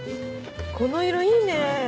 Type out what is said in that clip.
この色いいね。